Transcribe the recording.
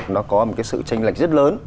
nó có một cái sự tranh lệch rất lớn